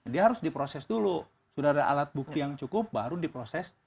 dia harus diproses dulu sudah ada alat bukti yang cukup baru diproses